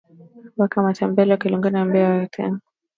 weka matembele kivulini kabla ya kuyapika yanyauke